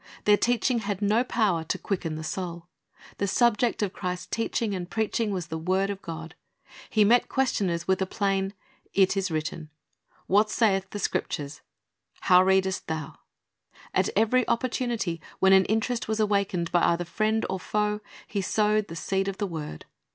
Their teaching had no power to quicken the soul. The subject of Christ's teaching and preaching was the word of God. He met questioners with a plain, "It is written." "What saith the Scriptures?" "How readest thou?" At every opportunity, when an interest was awakened by either friend or foe, He sowed the seed of the word.